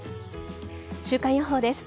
週間予報です。